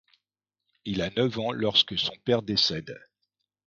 Il a neuf ans lorsque son père décède.